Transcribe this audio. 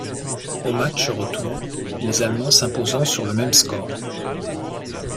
Au match retour, les Allemands s'imposant sur le même score.